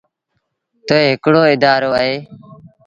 تا هڪڙو اَدآرو اهي۔